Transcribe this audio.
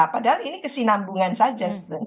padahal ini kesinambungan saja sebenarnya